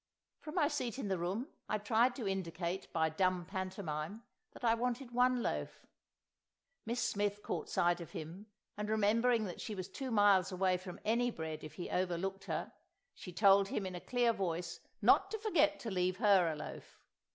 From my seat in the room I tried to indicate, by dumb pantomime, that I wanted one loaf; Miss Smith caught sight of him, and remembering that she was two miles away from any bread if he overlooked her, she told him in a clear voice not to forget to leave her a loaf.